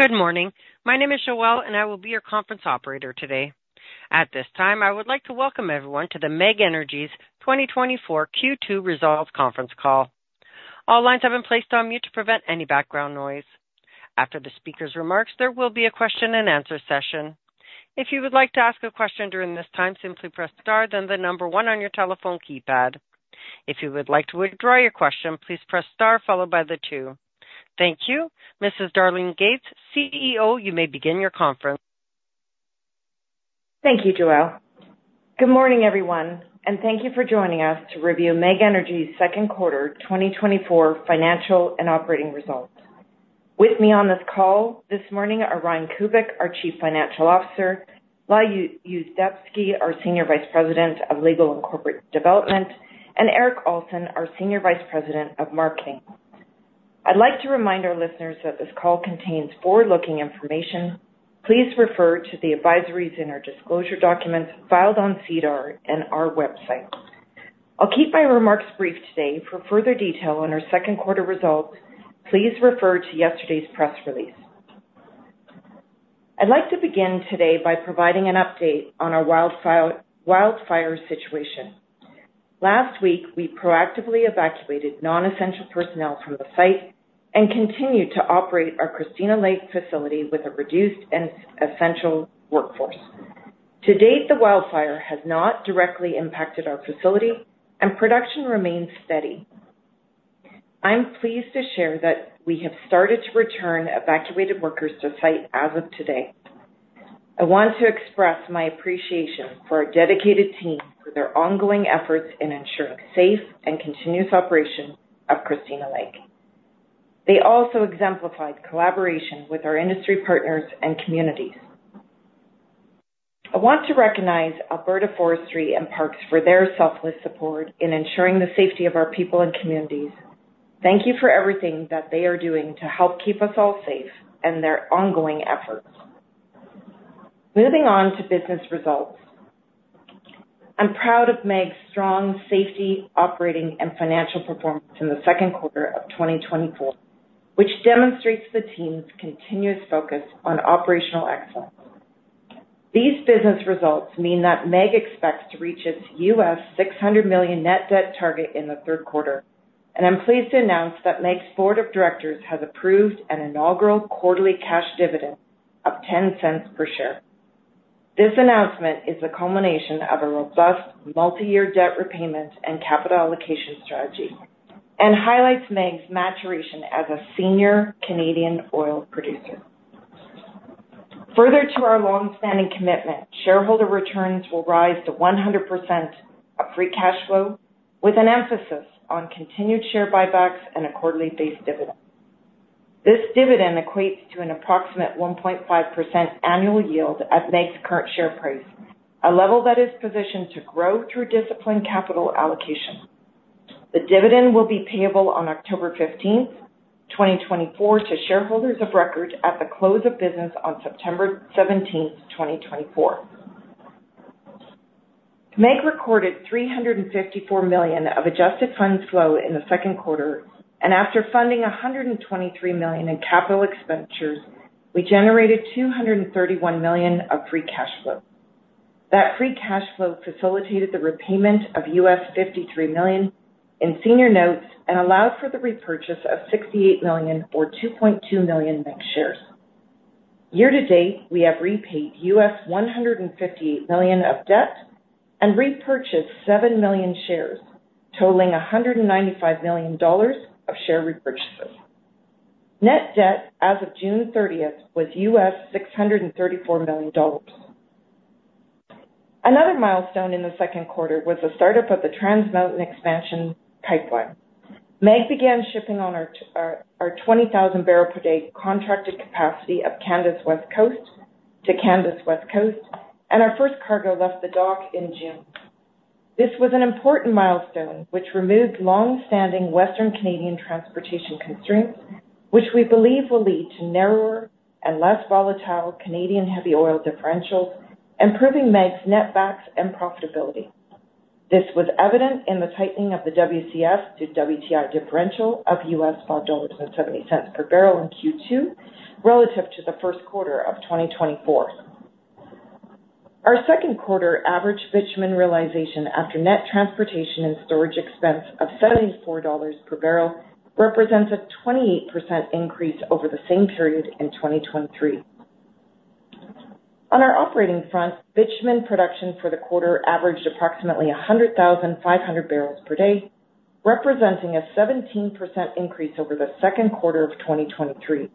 Good morning. My name is Joelle, and I will be your conference operator today. At this time, I would like to welcome everyone to the MEG Energy's 2024 Q2 Results conference call. All lines have been placed on mute to prevent any background noise. After the speaker's remarks, there will be a question-and-answer session. If you would like to ask a question during this time, simply press star, then 1 on your telephone keypad. If you would like to withdraw your question, please press star followed by 2. Thank you. Ms. Darlene Gates, CEO, you may begin your conference. Thank you, Joelle. Good morning, everyone, and thank you for joining us to review MEG Energy's second quarter 2024 financial and operating results. With me on this call this morning are Ryan Kubik, our Chief Financial Officer, Lyle Yuzdepski, our Senior Vice President of Legal and Corporate Development, and Erik Alson, our Senior Vice President of Marketing. I'd like to remind our listeners that this call contains forward-looking information. Please refer to the advisories in our disclosure documents filed on SEDAR and our website. I'll keep my remarks brief today. For further detail on our second quarter results, please refer to yesterday's press release. I'd like to begin today by providing an update on our wildfire situation. Last week, we proactively evacuated non-essential personnel from the site and continued to operate our Christina Lake facility with a reduced and essential workforce. To date, the wildfire has not directly impacted our facility, and production remains steady. I'm pleased to share that we have started to return evacuated workers to site as of today. I want to express my appreciation for our dedicated team, for their ongoing efforts in ensuring safe and continuous operation of Christina Lake. They also exemplified collaboration with our industry partners and communities. I want to recognize Alberta Forestry and Parks for their selfless support in ensuring the safety of our people and communities. Thank you for everything that they are doing to help keep us all safe and their ongoing efforts. Moving on to business results. I'm proud of MEG's strong safety, operating, and financial performance in the second quarter of 2024, which demonstrates the team's continuous focus on operational excellence. These business results mean that MEG expects to reach its $600 million net debt target in the third quarter, and I'm pleased to announce that MEG's board of directors has approved an inaugural quarterly cash dividend of 0.10 per share. This announcement is a culmination of a robust multi-year debt repayment and capital allocation strategy and highlights MEG's maturation as a senior Canadian oil producer. Further to our long-standing commitment, shareholder returns will rise to 100% of free cash flow, with an emphasis on continued share buybacks and a quarterly-based dividend. This dividend equates to an approximate 1.5% annual yield at MEG's current share price, a level that is positioned to grow through disciplined capital allocation. The dividend will be payable on October 15, 2024, to shareholders of record at the close of business on September 17, 2024. MEG recorded 354 million of adjusted funds flow in the second quarter, and after funding 123 million in capital expenditures, we generated 231 million of free cash flow. That free cash flow facilitated the repayment of $53 million in senior notes and allowed for the repurchase of $68 million, or 2.2 million MEG shares. Year to date, we have repaid $158 million of debt and repurchased 7 million shares, totaling 195 million dollars of share repurchases. Net debt as of June 30th was $634 million. Another milestone in the second quarter was the startup of the Trans Mountain Expansion pipeline. MEG began shipping to our 20,000 barrel per day contracted capacity to Canada's West Coast, and our first cargo left the dock in June. This was an important milestone, which removed long-standing Western Canadian transportation constraints, which we believe will lead to narrower and less volatile Canadian heavy oil differentials, improving MEG's netbacks and profitability. This was evident in the tightening of the WCS-to-WTI differential of $5.70 per barrel in Q2 relative to the first quarter of 2024. Our second quarter average bitumen realization, after net transportation and storage expense of $74 per barrel, represents a 28% increase over the same period in 2023. On our operating front, bitumen production for the quarter averaged approximately 100,500 barrels per day, representing a 17% increase over the second quarter of 2023.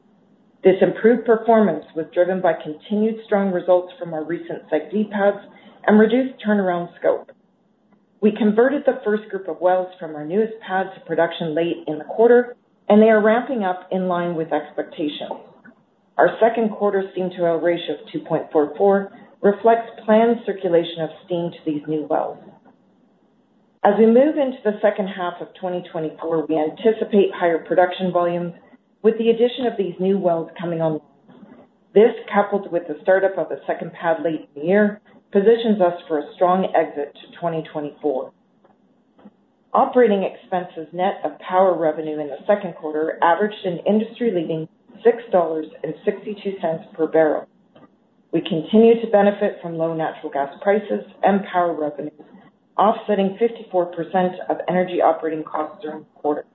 This improved performance was driven by continued strong results from our recent SAGD pads and reduced turnaround scope. We converted the first group of wells from our newest pad to production late in the quarter, and they are ramping up in line with expectations. Our second quarter steam-to-oil ratio of 2.44 reflects planned circulation of steam to these new wells. As we move into the second half of 2024, we anticipate higher production volumes with the addition of these new wells coming online. This, coupled with the startup of a second pad late in the year, positions us for a strong exit to 2024. Operating expenses net of power revenue in the second quarter averaged an industry-leading 6.62 dollars per barrel. We continue to benefit from low natural gas prices and power revenue, offsetting 54% of energy operating costs during the quarter.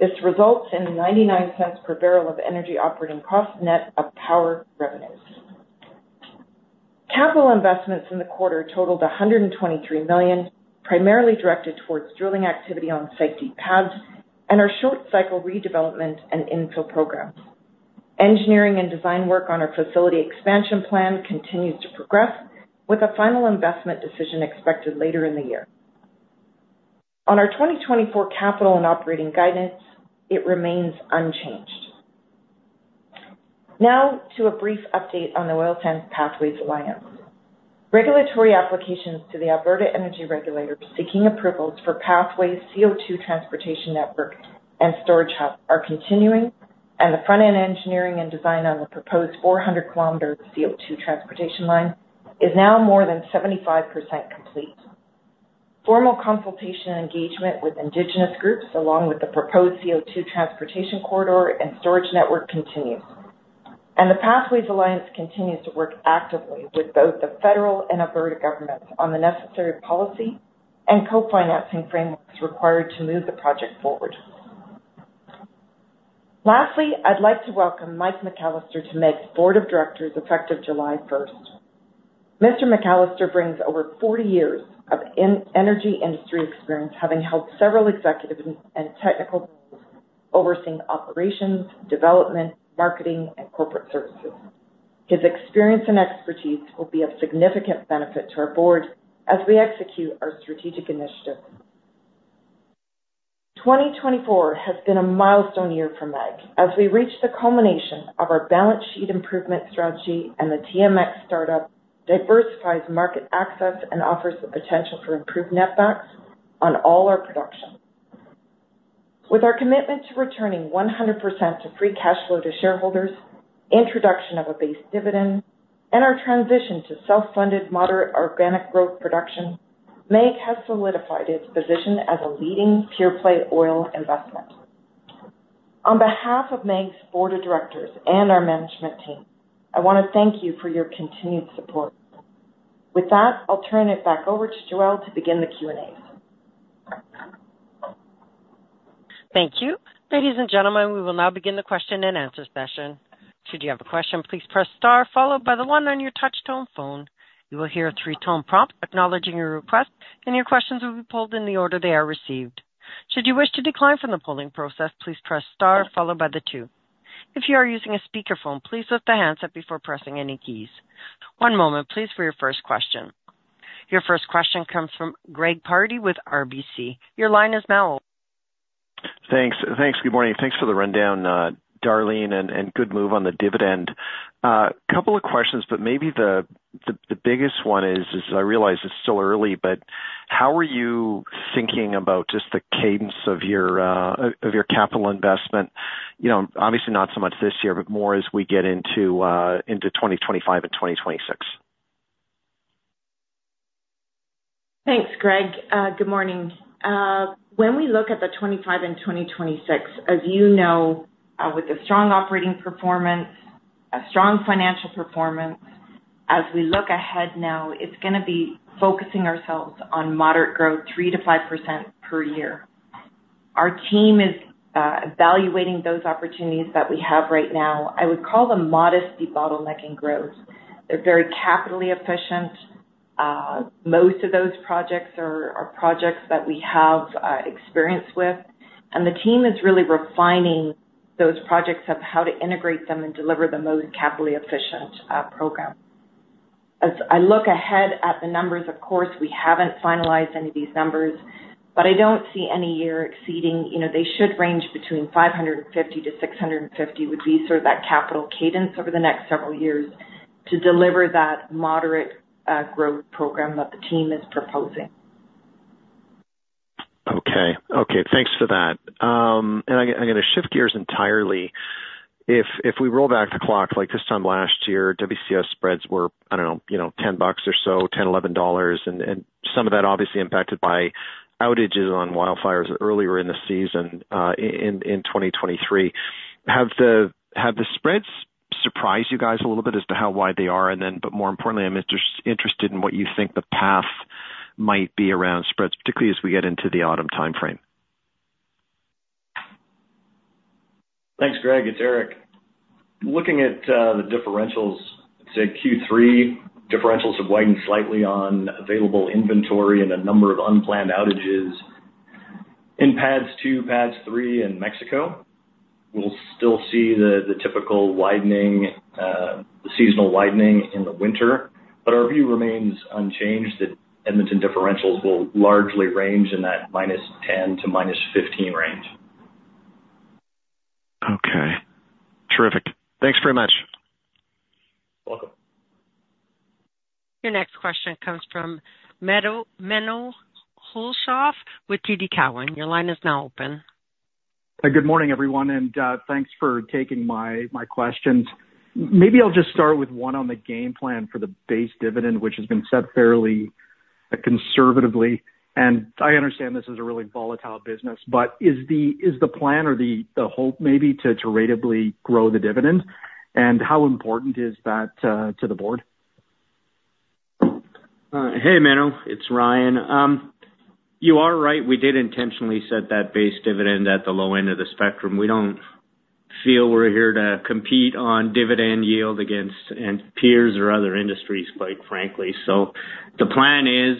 This results in 0.99 per barrel of energy operating costs, net of power revenues. Capital investments in the quarter totaled CAD 123 million, primarily directed towards drilling activity on SAGD pads and our short-cycle redevelopment and infill programs. Engineering and design work on our facility expansion plan continues to progress, with a final investment decision expected later in the year. On our 2024 capital and operating guidance, it remains unchanged. Now to a brief update on the Oil Sands Pathways Alliance. Regulatory applications to the Alberta Energy Regulator, seeking approvals for Pathways CO2 Transportation Network and Storage Hub, are continuing, and the front-end engineering and design on the proposed 400-kilometer CO2 transportation line is now more than 75% complete. Formal consultation and engagement with Indigenous groups, along with the proposed CO2 transportation corridor and storage network, continues. The Pathways Alliance continues to work actively with both the federal and Alberta governments on the necessary policy and co-financing frameworks required to move the project forward. Lastly, I'd like to welcome Mike McAllister to MEG's board of directors, effective July 1. Mr. McAllister brings over 40 years of energy industry experience, having held several executive and technical roles, overseeing operations, development, marketing, and corporate services. His experience and expertise will be of significant benefit to our board as we execute our strategic initiatives. 2024 has been a milestone year for MEG as we reach the culmination of our balance sheet improvement strategy, and the TMX startup diversifies market access and offers the potential for improved netbacks on all our production. With our commitment to returning 100% of free cash flow to shareholders, introduction of a base dividend, and our transition to self-funded, moderate organic growth production, MEG has solidified its position as a leading pure-play oil investment. On behalf of MEG's board of directors and our management team, I want to thank you for your continued support. With that, I'll turn it back over to Joelle to begin the Q&As. Thank you. Ladies and gentlemen, we will now begin the question-and-answer session. Should you have a question, please press star followed by the one on your touchtone phone. You will hear a three-tone prompt acknowledging your request, and your questions will be polled in the order they are received. Should you wish to decline from the polling process, please press star followed by the two. If you are using a speakerphone, please lift the handset before pressing any keys. One moment, please, for your first question. Your first question comes from Greg Pardy with RBC. Your line is now open. Thanks. Thanks. Good morning. Thanks for the rundown, Darlene, and good move on the dividend. Couple of questions, but maybe the biggest one is I realize it's still early, but how are you thinking about just the cadence of your capital investment? You know, obviously not so much this year, but more as we get into 2025 and 2026. Thanks, Greg. Good morning. When we look at the 2025 and 2026, as you know, with a strong operating performance, a strong financial performance, as we look ahead now, it's gonna be focusing ourselves on moderate growth, 3%-5% per year. Our team is evaluating those opportunities that we have right now. I would call them modest debottleneck and growth. They're very capital efficient. Most of those projects are projects that we have experience with, and the team is really refining those projects of how to integrate them and deliver the most capital efficient program. As I look ahead at the numbers, of course, we haven't finalized any of these numbers, but I don't see any year exceeding, you know, they should range between 550-650, would be sort of that capital cadence over the next several years to deliver that moderate growth program that the team is proposing. Okay. Okay, thanks for that. And I'm gonna shift gears entirely. If we roll back the clock, like, this time last year, WCS spreads were, I don't know, you know, $10 or so, $10, $11, and some of that obviously impacted by outages on wildfires earlier in the season, in 2023. Have the spreads surprised you guys a little bit as to how wide they are? And then, but more importantly, I'm interested in what you think the path might be around spreads, particularly as we get into the autumn timeframe. Thanks, Greg. It's Erik. Looking at the differentials, I'd say Q3 differentials have widened slightly on available inventory and a number of unplanned outages. In PADD 2, PADD 3, and Mexico, we'll still see the typical widening, the seasonal widening in the winter, but our view remains unchanged, that Edmonton differentials will largely range in that -10 to -15 range. Okay, terrific. Thanks very much. Welcome. Your next question comes from Menno Hulshof with TD Cowen. Your line is now open. Good morning, everyone, and thanks for taking my questions. Maybe I'll just start with one on the game plan for the base dividend, which has been set fairly conservatively. I understand this is a really volatile business, but is the plan or the hope maybe to iteratively grow the dividend? How important is that to the board? Hey, Menno, it's Ryan. You are right. We did intentionally set that base dividend at the low end of the spectrum. We don't feel we're here to compete on dividend yield against, and peers or other industries, quite frankly. So the plan is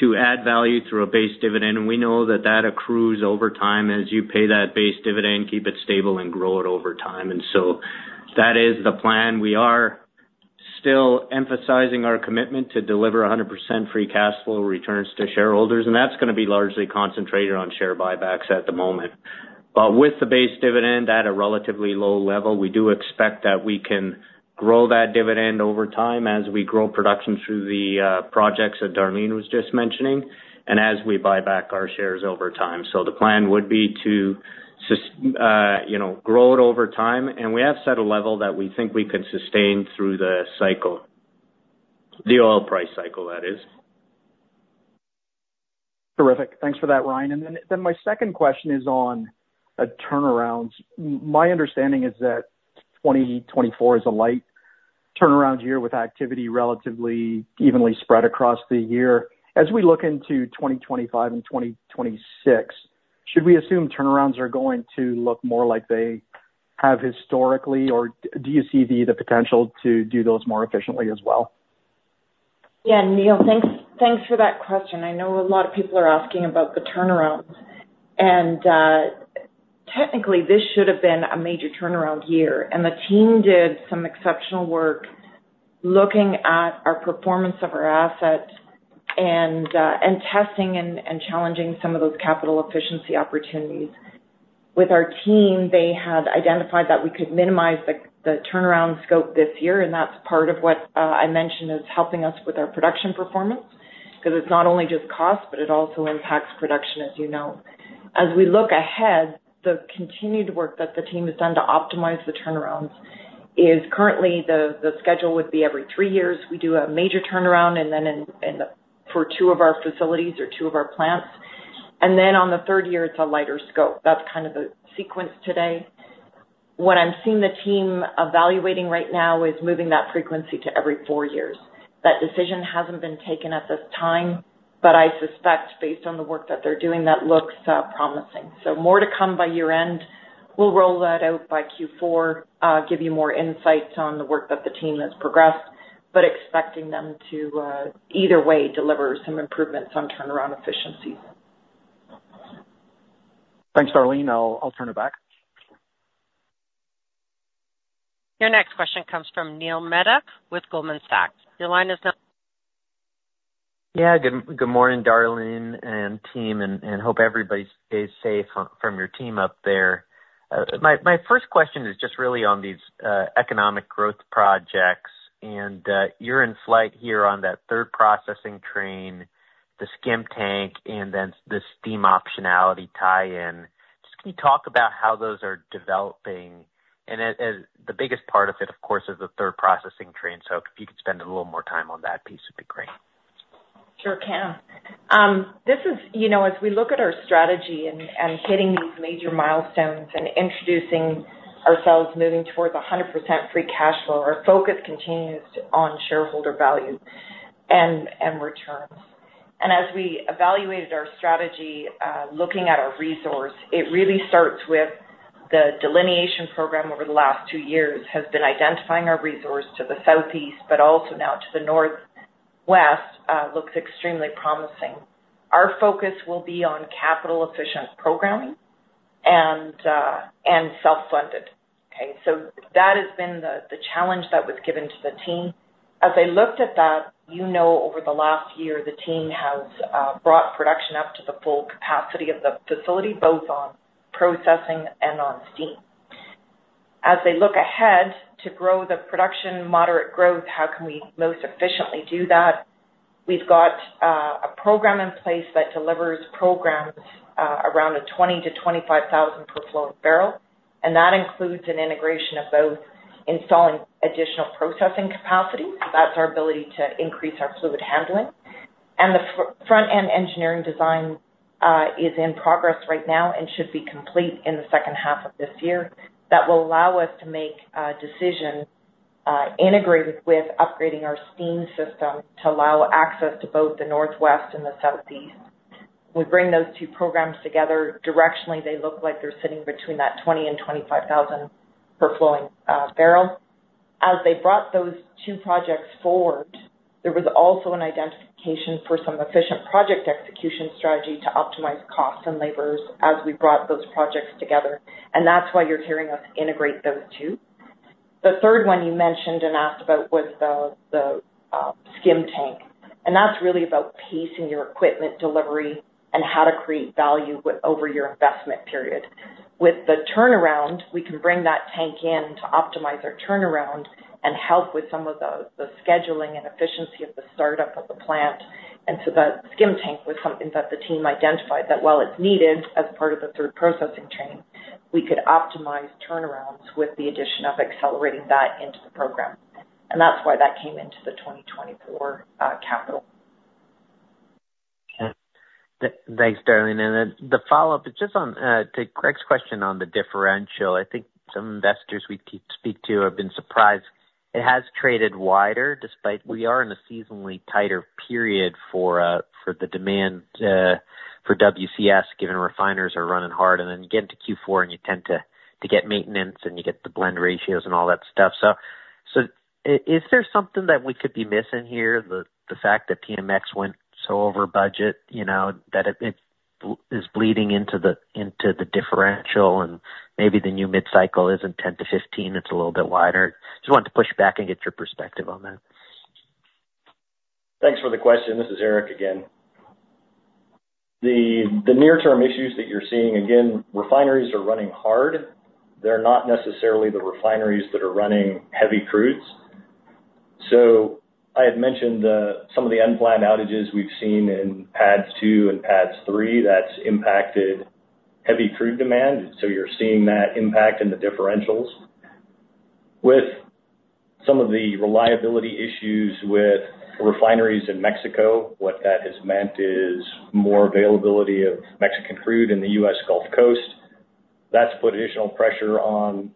to add value through a base dividend, and we know that that accrues over time as you pay that base dividend, keep it stable, and grow it over time. And so that is the plan. We are still emphasizing our commitment to deliver 100% free cash flow returns to shareholders, and that's gonna be largely concentrated on share buybacks at the moment. But with the base dividend at a relatively low level, we do expect that we can grow that dividend over time as we grow production through the projects that Darlene was just mentioning, and as we buyback our shares over time. So the plan would be to, you know, grow it over time, and we have set a level that we think we can sustain through the cycle. The oil price cycle, that is. Terrific. Thanks for that, Ryan. And then my second question is on turnarounds. My understanding is that 2024 is a light turnaround year with activity relatively evenly spread across the year. As we look into 2025 and 2026, should we assume turnarounds are going to look more like they have historically, or do you see the potential to do those more efficiently as well? Yeah, Neil, thanks, thanks for that question. I know a lot of people are asking about the turnaround. Technically, this should have been a major turnaround year, and the team did some exceptional work looking at our performance of our assets and, and testing and, and challenging some of those capital efficiency opportunities. With our team, they had identified that we could minimize the, the turnaround scope this year, and that's part of what, I mentioned is helping us with our production performance. Because it's not only just cost, but it also impacts production, as you know. As we look ahead, the continued work that the team has done to optimize the turnarounds is currently the schedule would be every three years. We do a major turnaround, and then in the for two of our facilities or two of our plants, and then on the third year, it's a lighter scope. That's kind of the sequence today. What I'm seeing the team evaluating right now is moving that frequency to every four years. That decision hasn't been taken at this time, but I suspect, based on the work that they're doing, that looks promising. So more to come by year-end. We'll roll that out by Q4, give you more insights on the work that the team has progressed, but expecting them to, either way, deliver some improvements on turnaround efficiency. Thanks, Darlene. I'll turn it back. Your next question comes from Neil Mehta with Goldman Sachs. Your line is now- Yeah, good, good morning, Darlene and team, and hope everybody stays safe from your team up there. My first question is just really on these economic growth projects. And you're in flight here on that third processing train, the skim tank, and then the steam optionality tie-in. Just can you talk about how those are developing? And as the biggest part of it, of course, is the third processing train, so if you could spend a little more time on that piece would be great. Sure can. This is, you know, as we look at our strategy and hitting these major milestones and introducing ourselves, moving towards 100% free cash flow, our focus continues on shareholder value and returns. As we evaluated our strategy, looking at our resource, it really starts with the delineation program over the last two years, has been identifying our resource to the southeast, but also now to the northwest, looks extremely promising. Our focus will be on capital efficient programming and self-funded. Okay, so that has been the challenge that was given to the team. As they looked at that, you know, over the last year, the team has brought production up to the full capacity of the facility, both on processing and on steam. As they look ahead to grow the production, moderate growth, how can we most efficiently do that? We've got a program in place that delivers programs around 20-25 thousand per flowing barrel, and that includes an integration of both installing additional processing capacity. That's our ability to increase our fluid handling. And the front-end engineering design is in progress right now and should be complete in the second half of this year. That will allow us to make a decision integrated with upgrading our steam system to allow access to both the northwest and the southeast. We bring those two programs together. Directionally, they look like they're sitting between that 20 and 25 thousand per flowing barrel. As they brought those two projects forward, there was also an identification for some efficient project execution strategy to optimize costs and labors as we brought those projects together, and that's why you're hearing us integrate those two. The third one you mentioned and asked about was the skim tank, and that's really about pacing your equipment delivery and how to create value over your investment period. With the turnaround, we can bring that tank in to optimize our turnaround and help with some of the scheduling and efficiency of the startup of the plant. And so the skim tank was something that the team identified, that while it's needed as part of the third processing train, we could optimize turnarounds with the addition of accelerating that into the program. And that's why that came into the 2024 capital. Okay. Thanks, Darlene. And then the follow-up is just on to Greg's question on the differential. I think some investors we speak to have been surprised. It has traded wider, despite we are in a seasonally tighter period for the demand for WCS, given refiners are running hard, and then you get into Q4, and you tend to get maintenance, and you get the blend ratios and all that stuff. So, is there something that we could be missing here? The fact that TMX went so over budget, you know, that it is bleeding into the differential, and maybe the new mid-cycle isn't 10-15, it's a little bit wider. Just wanted to push back and get your perspective on that. Thanks for the question. This is Erik again. The near-term issues that you're seeing, again, refineries are running hard. They're not necessarily the refineries that are running heavy crudes. So I had mentioned some of the unplanned outages we've seen in PADD 2 and PADD 3, that's impacted heavy crude demand, so you're seeing that impact in the differentials. With some of the reliability issues with refineries in Mexico, what that has meant is more availability of Mexican crude in the US Gulf Coast. That's put additional pressure on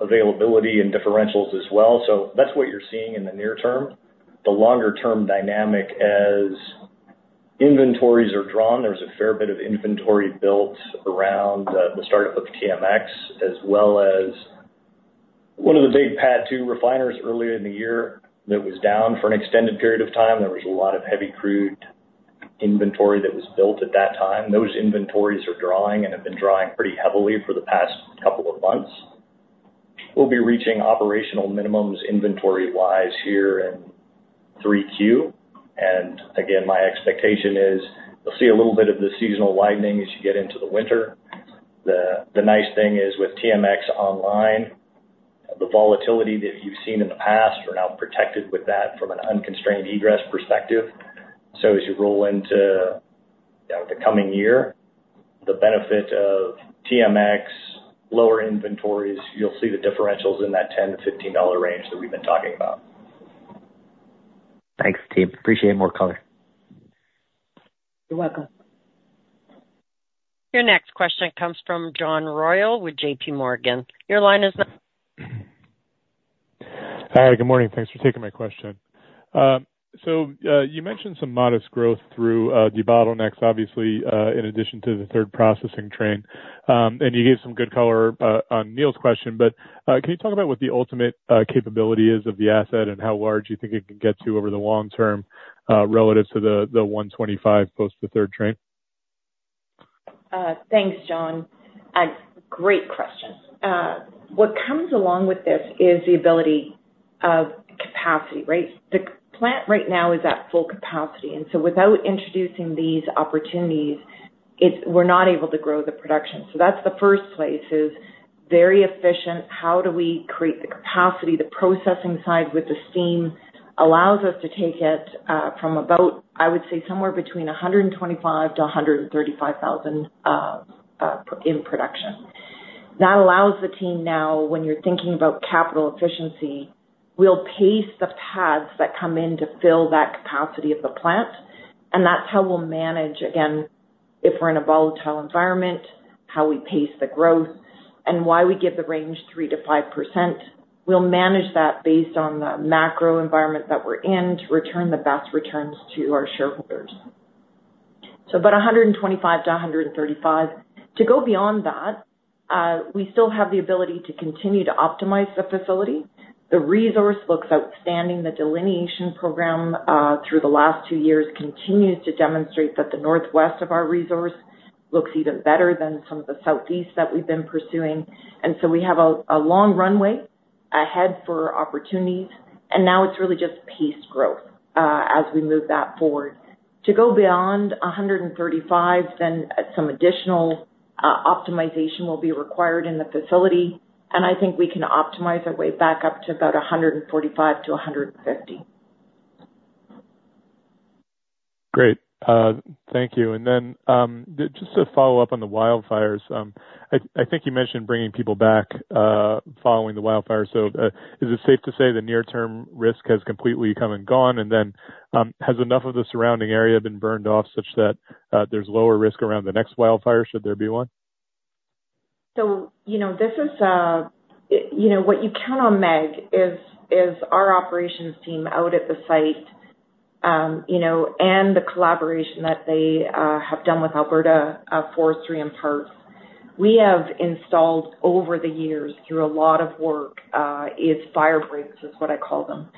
availability and differentials as well. So that's what you're seeing in the near term. The longer-term dynamic, as inventories are drawn, there's a fair bit of inventory built around the startup of TMX, as well as one of the big PADD 2 refiners earlier in the year that was down for an extended period of time. There was a lot of heavy crude inventory that was built at that time. Those inventories are drawing and have been drawing pretty heavily for the past couple of months. We'll be reaching operational minimums inventory-wise here in Q3. And again, my expectation is you'll see a little bit of the seasonal widening as you get into the winter. The nice thing is, with TMX online, the volatility that you've seen in the past are now protected with that from an unconstrained egress perspective. So as you roll into, you know, the coming year, the benefit of TMX, lower inventories, you'll see the differentials in that $10-$15 range that we've been talking about. Thanks, team. Appreciate more color. You're welcome. Your next question comes from John Royall with JP Morgan. Your line is now- Hi, good morning. Thanks for taking my question. So, you mentioned some modest growth through debottlenecks, obviously, in addition to the third processing train. And you gave some good color on Neil's question, but, can you talk about what the ultimate capability is of the asset and how large you think it can get to over the long term, relative to the 125 post the third train? Thanks, John. A great question. What comes along with this is the ability of capacity, right? The plant right now is at full capacity, and so without introducing these opportunities, it's we're not able to grow the production. So that's the first place, is very efficient. How do we create the capacity? The processing side with the steam allows us to take it from about, I would say, somewhere between 125,000-135,000 in production. That allows the team now, when you're thinking about capital efficiency, we'll pace the pads that come in to fill that capacity of the plant, and that's how we'll manage, again, if we're in a volatile environment, how we pace the growth and why we give the range 3%-5%. We'll manage that based on the macro environment that we're in to return the best returns to our shareholders. So about 125-135. To go beyond that, we still have the ability to continue to optimize the facility. The resource looks outstanding. The delineation program through the last two years continues to demonstrate that the northwest of our resource looks even better than some of the southeast that we've been pursuing. And so we have a long runway ahead for opportunities, and now it's really just paced growth as we move that forward. To go beyond 135, then some additional optimization will be required in the facility, and I think we can optimize our way back up to about 145-150. Great. Thank you. And then, just to follow up on the wildfires, I think you mentioned bringing people back, following the wildfires. So, is it safe to say the near-term risk has completely come and gone? And then, has enough of the surrounding area been burned off such that, there's lower risk around the next wildfire, should there be one? So, you know, this is, you know, what you count on MEG is, is our operations team out at the site, you know, and the collaboration that they have done with Alberta Forestry and Parks. We have installed over the years, through a lot of work, is fire breaks, is what I call them.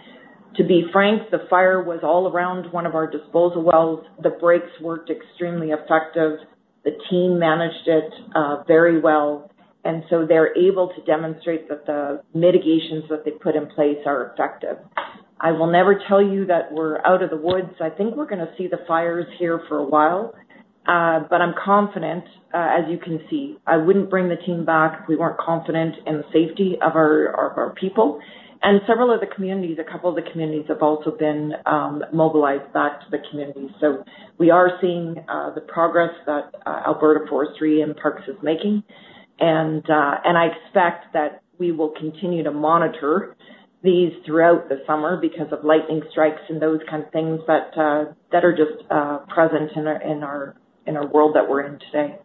To be frank, the fire was all around one of our disposal wells. The breaks worked extremely effective. The team managed it, very well, and so they're able to demonstrate that the mitigations that they put in place are effective. I will never tell you that we're out of the woods. I think we're gonna see the fires here for a while.... but I'm confident, as you can see, I wouldn't bring the team back if we weren't confident in the safety of our, of our people. Several of the communities, a couple of the communities have also been mobilized back to the communities. We are seeing the progress that Alberta Forestry and Parks is making. I expect that we will continue to monitor these throughout the summer because of lightning strikes and those kind of things that are just present in our world that we're in today.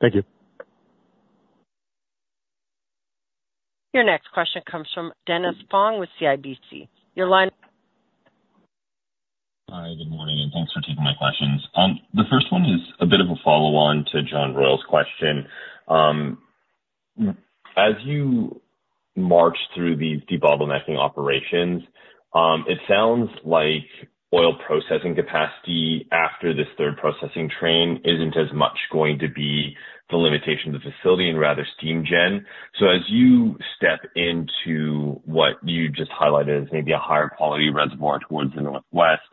Thank you. Your next question comes from Dennis Fong with CIBC. Your line- Hi, good morning, and thanks for taking my questions. The first one is a bit of a follow on to John Royall's question. As you march through these debottlenecking operations, it sounds like oil processing capacity after this third processing train isn't as much going to be the limitation of the facility and rather steam gen. So as you step into what you just highlighted as maybe a higher quality reservoir towards the northwest,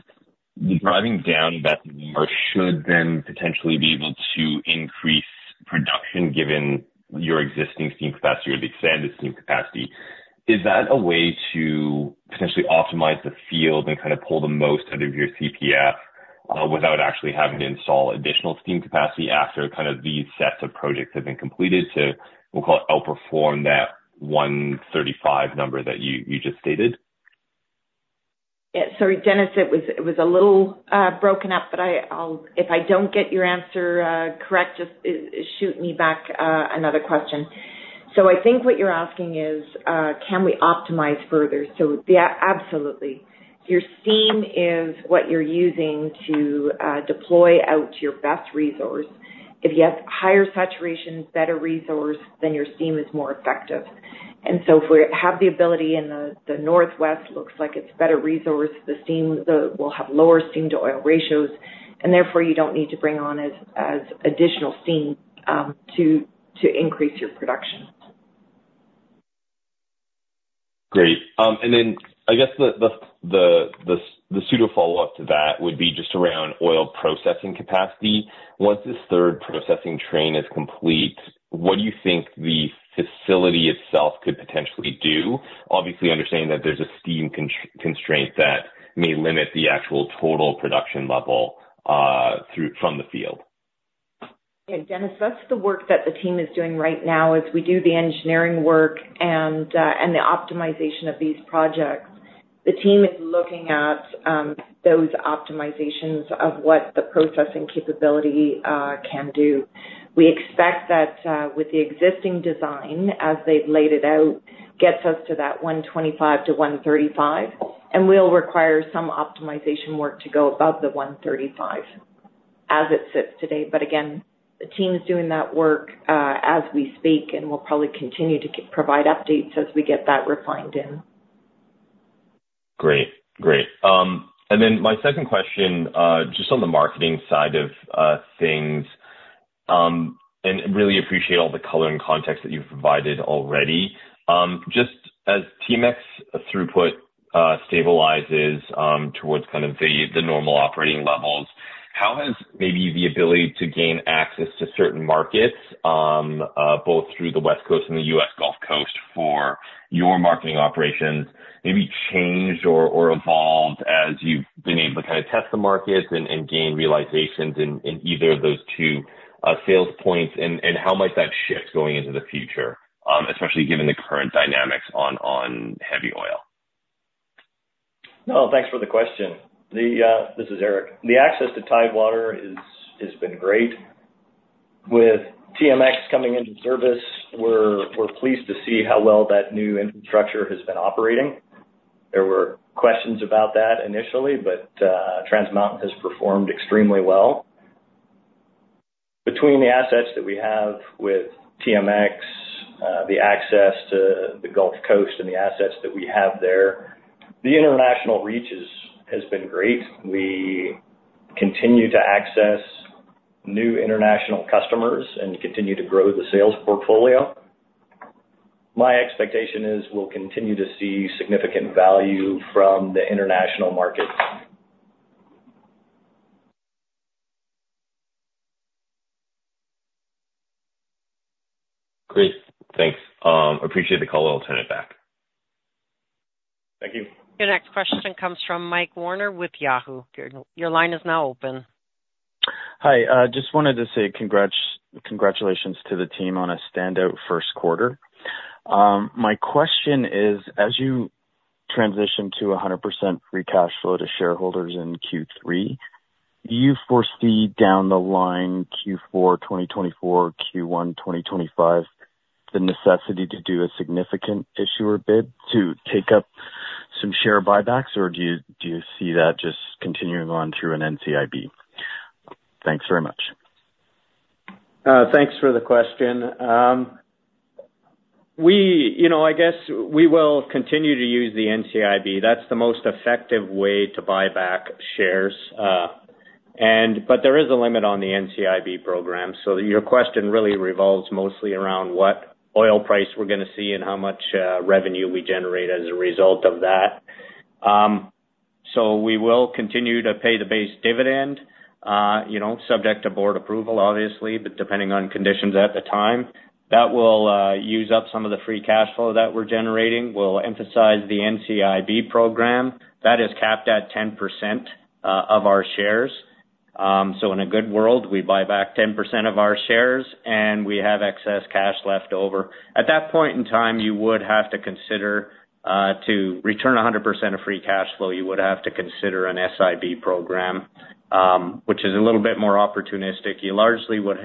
driving down that SOR should then potentially be able to increase production given your existing steam capacity or the expanded steam capacity. Is that a way to potentially optimize the field and kind of pull the most out of your CPF without actually having to install additional steam capacity after kind of these sets of projects have been completed to, we'll call it, outperform that 135 number that you just stated? Yeah. Sorry, Dennis, it was a little broken up, but I'll, if I don't get your answer correct, just shoot me back another question. So I think what you're asking is, can we optimize further? So, yeah, absolutely. Your steam is what you're using to deploy out your best resource. If you have higher saturation, better resource, then your steam is more effective. And so if we have the ability in the northwest, looks like it's better resource, the steam will have lower steam-to-oil ratios, and therefore, you don't need to bring on as additional steam to increase your production. Great. And then I guess the pseudo follow-up to that would be just around oil processing capacity. Once this third processing train is complete, what do you think the facility itself could potentially do? Obviously, understanding that there's a steam constraint that may limit the actual total production level, through from the field. Yeah, Dennis, that's the work that the team is doing right now. As we do the engineering work and, and the optimization of these projects, the team is looking at, those optimizations of what the processing capability, can do. We expect that, with the existing design, as they've laid it out, gets us to that 125-135, and we'll require some optimization work to go above the 135 as it sits today. But again, the team is doing that work, as we speak, and we'll probably continue to provide updates as we get that refined in. Great. Great. And then my second question, just on the marketing side of things, and really appreciate all the color and context that you've provided already. Just as TMX throughput stabilizes, towards kind of the normal operating levels, how has maybe the ability to gain access to certain markets, both through the West Coast and the US Gulf Coast for your marketing operations, maybe changed or evolved as you've been able to kind of test the markets and gain realizations in either of those two sales points? And how might that shift going into the future, especially given the current dynamics on heavy oil? Well, thanks for the question. The, this is Erik. The access to tidewater is, has been great. With TMX coming into service, we're, we're pleased to see how well that new infrastructure has been operating. There were questions about that initially, but, Trans Mountain has performed extremely well. Between the assets that we have with TMX, the access to the Gulf Coast and the assets that we have there, the international reach is, has been great. We continue to access new international customers and continue to grow the sales portfolio. My expectation is we'll continue to see significant value from the international market. Great. Thanks. Appreciate the color. I'll turn it back. Thank you. Your next question comes from Mike Werner with Stifel. Your line is now open. Hi, just wanted to say congrats, congratulations to the team on a standout first quarter. My question is, as you transition to 100% free cash flow to shareholders in Q3, do you foresee down the line, Q4 2024, Q1 2025, the necessity to do a significant issuer bid to take up some share buybacks, or do you, do you see that just continuing on through an NCIB? Thanks very much. Thanks for the question. You know, I guess we will continue to use the NCIB. That's the most effective way to buy back shares. And, but there is a limit on the NCIB program, so your question really revolves mostly around what oil price we're gonna see and how much revenue we generate as a result of that. So we will continue to pay the base dividend, you know, subject to board approval, obviously, but depending on conditions at the time. That will use up some of the free cash flow that we're generating. We'll emphasize the NCIB program. That is capped at 10% of our shares. So in a good world, we buy back 10% of our shares, and we have excess cash left over. At that point in time, you would have to consider to return 100% of free cash flow, you would have to consider an SIB program, which is a little bit more opportunistic. You largely would.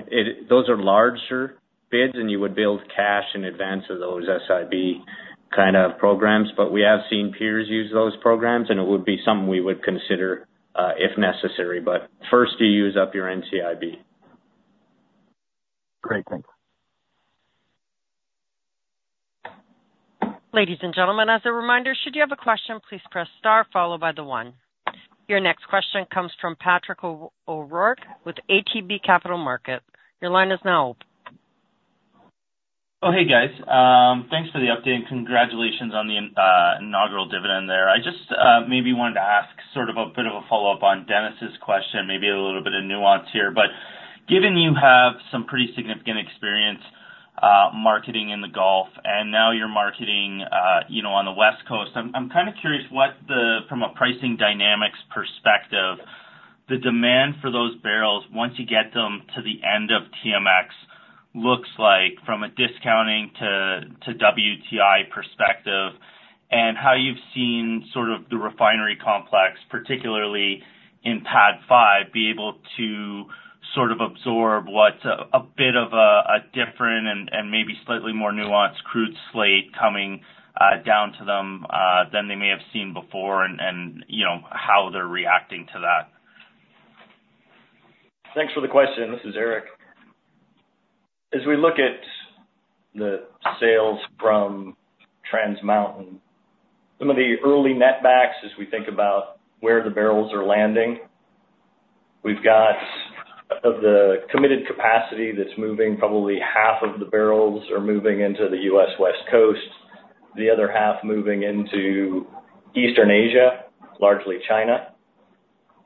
Those are larger bids, and you would build cash in advance of those SIB kind of programs. But we have seen peers use those programs, and it would be something we would consider, if necessary. But first, you use up your NCIB. Great. Thank you. Ladies and gentlemen, as a reminder, should you have a question, please press star followed by the one. Your next question comes from Patrick O'Rourke with ATB Capital Markets. Your line is now open. Oh, hey, guys. Thanks for the update, and congratulations on the inaugural dividend there. I just maybe wanted to ask sort of a bit of a follow-up on Dennis's question, maybe a little bit of nuance here. But given you have some pretty significant experience, marketing in the Gulf, and now you're marketing, you know, on the West Coast, I'm kind of curious what the, from a pricing dynamics perspective, the demand for those barrels, once you get them to the end of TMX, looks like from a discounting to WTI perspective, and how you've seen sort of the refinery complex, particularly in PADD 5, be able to sort of absorb what's a bit of a different and maybe slightly more nuanced crude slate coming down to them than they may have seen before, and you know, how they're reacting to that. Thanks for the question. This is Erik. As we look at the sales from Trans Mountain, some of the early netbacks, as we think about where the barrels are landing, we've got, of the committed capacity that's moving, probably half of the barrels are moving into the US West Coast, the other half moving into Eastern Asia, largely China.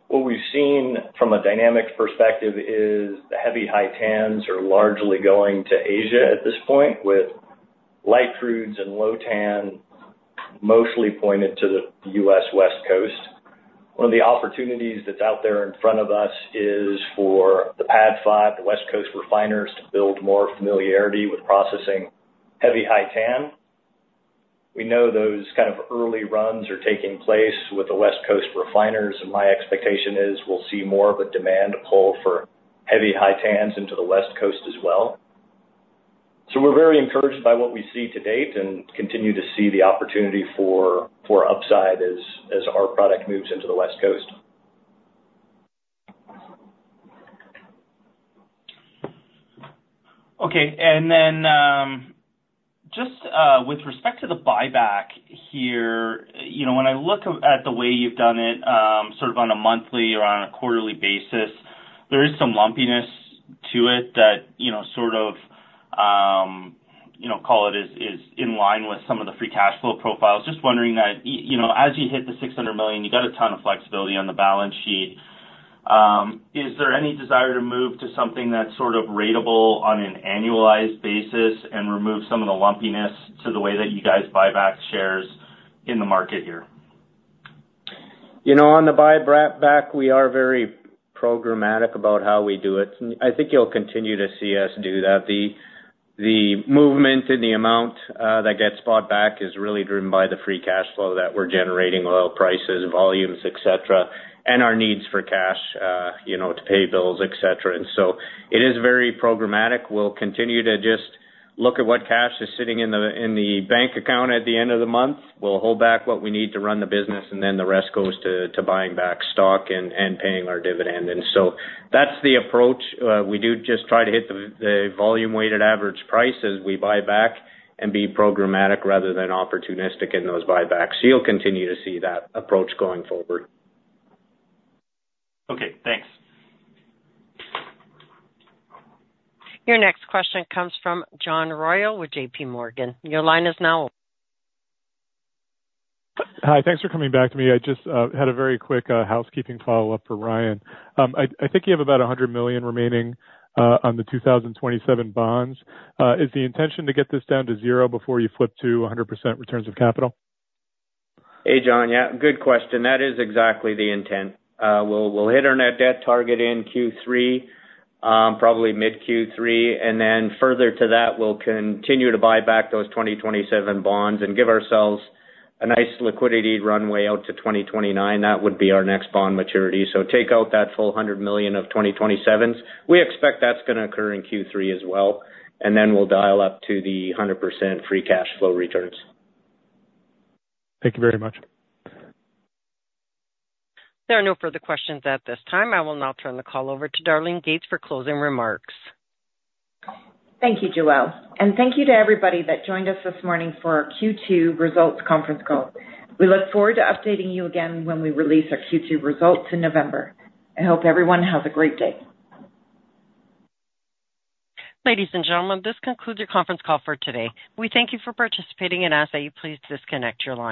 What we've seen from a dynamics perspective is the heavy high TANs are largely going to Asia at this point, with light crudes and low TAN mostly pointed to the US West Coast. One of the opportunities that's out there in front of us is for the PADD 5, the West Coast refiners, to build more familiarity with processing heavy high TAN. We know those kind of early runs are taking place with the West Coast refiners, and my expectation is we'll see more of a demand pull for heavy high TANs into the West Coast as well. So we're very encouraged by what we see to date and continue to see the opportunity for upside as our product moves into the West Coast. Okay. And then, just, with respect to the buyback here, you know, when I look at the way you've done it, sort of on a monthly or on a quarterly basis, there is some lumpiness to it that, you know, sort of, you know, call it is, is in line with some of the free cash flow profiles. Just wondering that, you know, as you hit the 600 million, you got a ton of flexibility on the balance sheet. Is there any desire to move to something that's sort of ratable on an annualized basis and remove some of the lumpiness to the way that you guys buy back shares in the market here? You know, on the buy back, we are very programmatic about how we do it. I think you'll continue to see us do that. The movement and the amount that gets bought back is really driven by the free cash flow that we're generating, oil prices, volumes, et cetera, and our needs for cash, you know, to pay bills, et cetera. And so it is very programmatic. We'll continue to just look at what cash is sitting in the bank account at the end of the month. We'll hold back what we need to run the business, and then the rest goes to buying back stock and paying our dividend. And so that's the approach. We do just try to hit the volume weighted average price as we buy back and be programmatic rather than opportunistic in those buybacks. You'll continue to see that approach going forward. Okay, thanks. Your next question comes from John Royall with JP Morgan. Your line is now open. Hi, thanks for coming back to me. I just had a very quick housekeeping follow-up for Ryan. I think you have about 100 million remaining on the 2027 bonds. Is the intention to get this down to zero before you flip to 100% returns of capital? Hey, John. Yeah, good question. That is exactly the intent. We'll, we'll hit our net debt target in Q3, probably mid-Q3, and then further to that, we'll continue to buy back those 2027 bonds and give ourselves a nice liquidity runway out to 2029. That would be our next bond maturity. So take out that full 100 million of 2027s. We expect that's gonna occur in Q3 as well, and then we'll dial up to the 100% free cash flow returns. Thank you very much. There are no further questions at this time. I will now turn the call over to Darlene Gates for closing remarks. Thank you, Joelle, and thank you to everybody that joined us this morning for our Q2 results conference call. We look forward to updating you again when we release our Q2 results in November. I hope everyone has a great day. Ladies and gentlemen, this concludes your conference call for today. We thank you for participating and ask that you please disconnect your line.